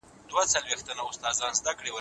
د منفي چلند په وړاندې محتاط تګلاره غوره کړئ.